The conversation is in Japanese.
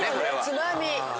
つまみ。